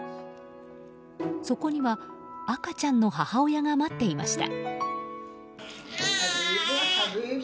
そこには赤ちゃんの母親が待っていました。